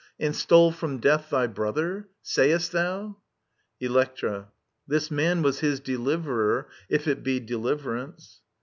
And stole from death thy brother ? Sayest thou i Electra. This man was his deh'verer, if it be Deliverance.